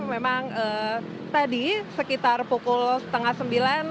memang tadi sekitar pukul setengah sembilan